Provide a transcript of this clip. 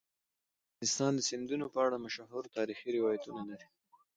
افغانستان د سیندونه په اړه مشهور تاریخی روایتونه لري.